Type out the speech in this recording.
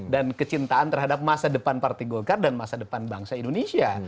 dan kecintaan terhadap masa depan partai golkar dan masa depan bangsa indonesia